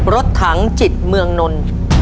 รถถังจิตเมืองนนท์